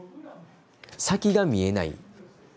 先が見えない。